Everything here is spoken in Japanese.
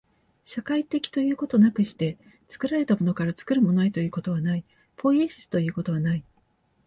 社会的ということなくして、作られたものから作るものへということはない、ポイエシスということはない。